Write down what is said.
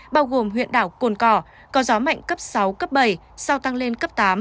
bao gồm huyện đảo cồn cỏ có gió mạnh cấp sáu cấp bảy sau tăng lên cấp tám